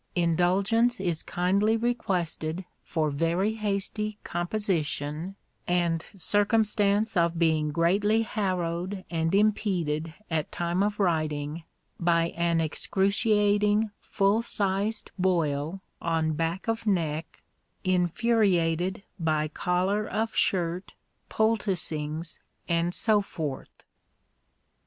Indulgence is kindly requested for very hasty composition, and circumstance of being greatly harrowed and impeded at time of writing by an excruciating full sized boil on back of neck, infuriated by collar of shirt, poulticings, and so forth.